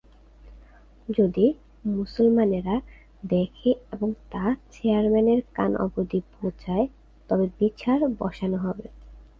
যদি মুসলমানেরা দেখে এবং তা চেয়ারম্যানের কান অবধি পৌঁছায়, তবে বিচার বসানো হবে।